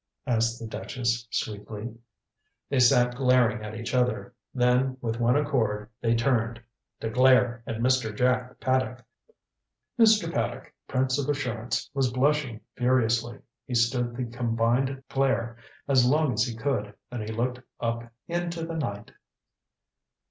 asked the duchess sweetly. They sat glaring at each other. Then with one accord they turned to glare at Mr. Jack Paddock. Mr. Paddock, prince of assurance, was blushing furiously. He stood the combined glare as long as he could then he looked up into the night.